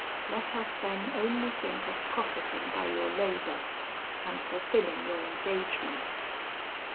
Let us then only think of profiting by your labour, and fulfilling your engagements.'